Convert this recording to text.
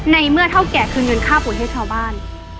ในเมื่อเท่าแก่คืนเงินค่าบุญให้ชาวบ้าน